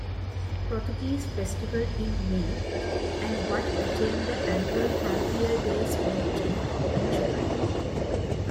Portuguese festival in May and what became the annual Frontier Days weekend in July.